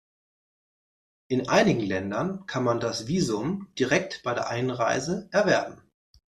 In einigen Ländern kann man das Visum direkt bei der Einreise erwerben.